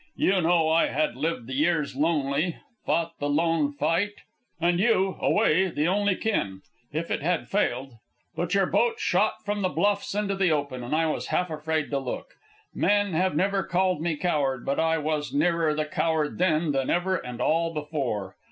You know I had lived the years lonely, fought the lone fight, and you, away, the only kin. If it had failed ... But your boat shot from the bluffs into the open, and I was half afraid to look. Men have never called me coward, but I was nearer the coward then than ever and all before.